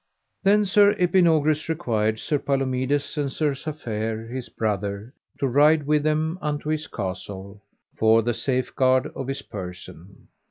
Then Sir Epinogris required Sir Palomides and Sir Safere, his brother, to ride with them unto his castle, for the safeguard of his person.